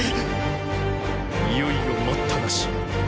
いよいよ待ったなし。